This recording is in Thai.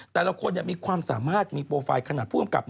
แต่ละคนมีความสามารถมีโปรไฟล์ขนาดผู้กำกับ